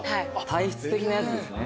体質的なやつですね。